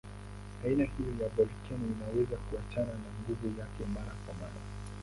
Aina hiyo ya volkeno inaweza kuachana na nguvu yake mara kwa mara.